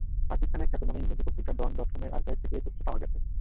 পাকিস্তানের খ্যাতনামা ইংরেজি পত্রিকা ডন ডটকমের আর্কাইভ থেকে এ তথ্য পাওয়া গেছে।